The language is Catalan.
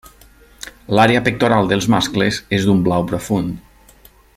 L'àrea pectoral dels mascles és d'un blau profund.